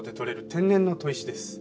天然の砥石です。